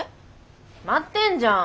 決まってんじゃん